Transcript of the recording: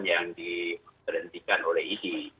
yang diperhentikan oleh idi